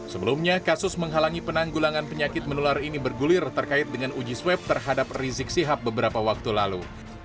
sebelumnya kasus menghalangi penanggulangan penyakit menular ini bergulir terkait dengan uji swab terhadap rizik sihab beberapa waktu lalu